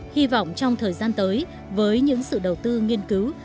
hy vọng trong thời gian tới với những sự đầu tư nghiên cứu